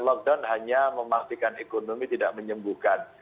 lockdown hanya memastikan ekonomi tidak menyembuhkan